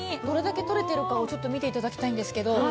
どれだけ取れてるかをちょっと見て頂きたいんですけど。